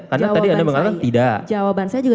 karena tadi anda mengatakan tidak jawaban saya juga